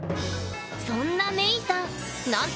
そんなメイさん。